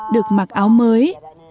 được mặc áo mới